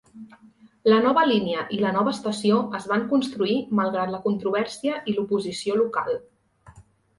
La nova línia i la nova estació es van construir malgrat la controvèrsia i l"oposició local.